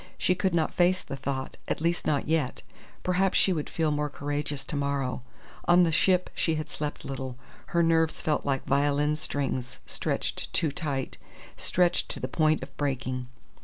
She could not face the thought at least not yet. Perhaps she would feel more courageous to morrow. On the ship she had slept little. Her nerves felt like violin strings stretched too tight stretched to the point of breaking.